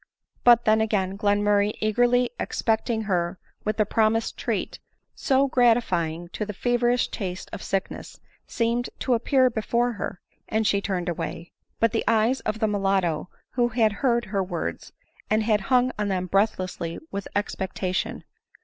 But then again, Glenmurray eagerly expecting her with the promised treat, so gratifying to the feverish taste of sick ness, seemed to appear before her, and she turned away ; but the eyes of the mulatto, who had heard her words, and had hung on them breathless with expectation, foL 15 106 ADELINE MOWBRAY.